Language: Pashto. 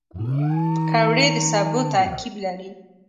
پکورې د سبو ترکیب لري